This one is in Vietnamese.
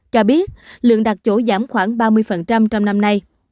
cho biết lượng đặt chỗ giảm khoảng ba mươi trong năm nay